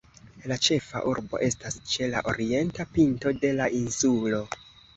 La ĉefa urbo estas ĉe la orienta pinto de la insulo.